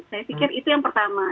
saya pikir itu yang pertama